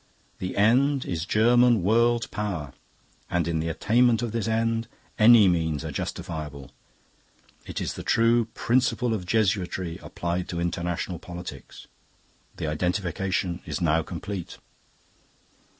The end is German world power, and in the attainment of this end, any means are justifiable. It is the true principle of Jesuitry applied to international politics. "The identification is now complete.